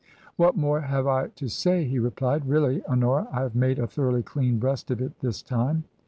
"What more have I to say?" he replied. "Really, Hoxiora, I have made a thoroughly clean breast of it this time."